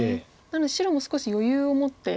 なので白も少し余裕を持って。